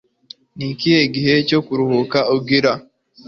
Ni ikihe gihe cyo kuruhuka ugira?